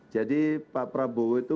jadi pak prabowo itu